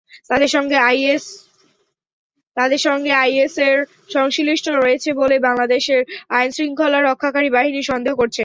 তাঁদের সঙ্গে আইএসের সংশ্লিষ্টতা রয়েছে বলে বাংলাদেশের আইনশৃঙ্খলা রক্ষাকারী বাহিনী সন্দেহ করছে।